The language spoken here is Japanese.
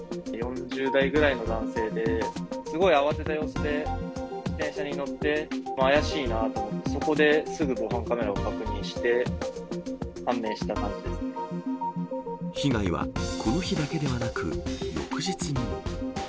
４０代ぐらいの男性で、すごい慌てた様子で自転車に乗って、怪しいなと思って、そこですぐ、防犯カメラを確認して、被害はこの日だけではなく、翌日にも。